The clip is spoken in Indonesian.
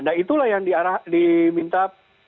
nah itulah yang diminta